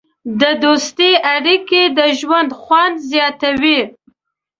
د دوستۍ اړیکې د ژوند خوند زیاتوي.